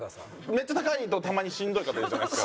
めっちゃ高いとたまにしんどい方いるじゃないですか。